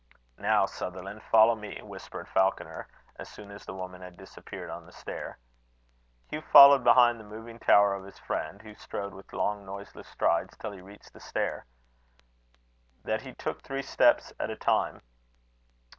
"Now, Sutherland, follow me," whispered Falconer, as soon as the woman had disappeared on the stair. Hugh followed behind the moving tower of his friend, who strode with long, noiseless strides till he reached the stair. That he took three steps at a time.